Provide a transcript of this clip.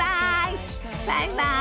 バイバイ。